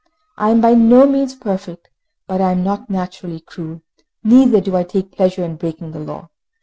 I am by no means perfect, but I am not naturally cruel, neither do I take pleasure in breaking the law.